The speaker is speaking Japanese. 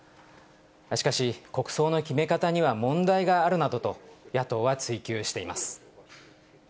しかし、国葬の決め方には問題があるなどと、野党は追及しています。